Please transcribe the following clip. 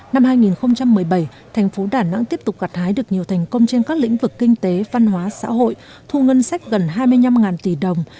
năm hai nghìn một mươi bảy thành phố đà nẵng tiếp tục gạt hái được nhiều thành công trên các lĩnh vực kinh tế văn hóa xã hội thu ngân sách gần hai mươi năm tỷ đồng